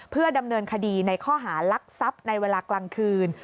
เพื่อดำเนินคดีในข้อหารักทรัพย์ในเวลากลางคืน